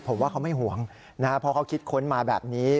ผมว่าเขาไม่ห่วงนะครับเพราะเขาคิดค้นมาแบบนี้